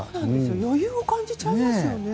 余裕を感じちゃいますよね。